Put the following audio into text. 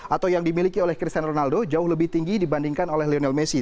atau yang dimiliki oleh cristian ronaldo jauh lebih tinggi dibandingkan oleh lionel messi